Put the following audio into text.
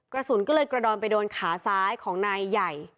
กระสุนก็เลยกระดอนไปโดนขาซ้ายของนายใหญ่